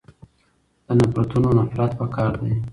د نفرتونونه نفرت پکار دی.